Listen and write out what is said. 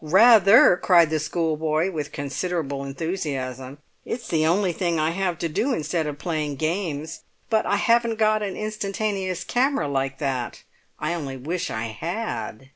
"Rather!" cried the schoolboy, with considerable enthusiasm. "It's the only thing I have to do instead of playing games. But I haven't got an instantaneous camera like that. I only wish I had!"